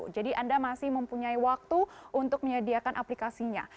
jadi anda masih mempunyai waktu untuk menyediakan aplikasinya